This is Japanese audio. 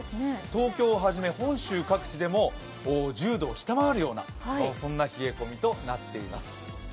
東京をはじめ本州各地でも１０度を下回るような冷え込みとなっています。